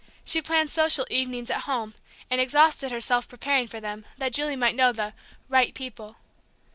She planned social evenings at home, and exhausted herself preparing for them, that Julie might know the "right people."